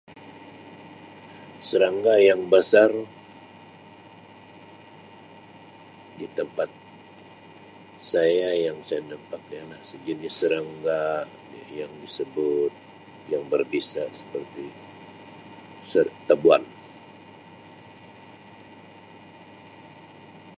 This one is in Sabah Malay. Serangga yang besar di tempat saya yang saya nampak ialah sejenis serangga yang disebut yang berbisa seperti ser-tebuan.